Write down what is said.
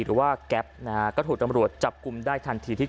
หรือแก๊ปจับกรุมที่เกิดเพราะเกิดเพ่ยว